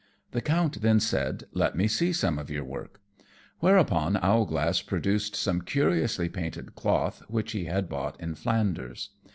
The Count then said, "Let me see some of your work." Whereupon Owlglass produced some curiously painted cloth which he had bought in Flanders.